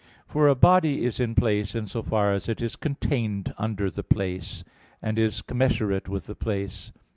For a body is in a place in so far as it is contained under the place, and is commensurate with the place.